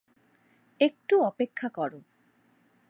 একটু অপেক্ষা করো।